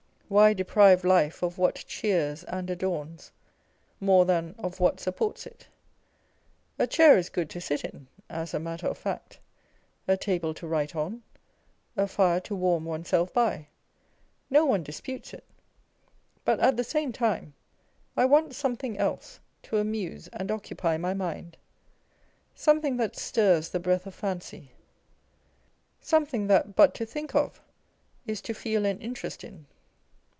Why deprive life of what cheers and adorns, more than of what supports it ? A chair is good to sit in (as a matter of fact), a table to write on, a fire to warm oneself by â€" No one disputes it ; but at the same time I want something else to amuse and occupy my mind, something that stirs the breath of fancy, something that but to think of is to feel an interest in.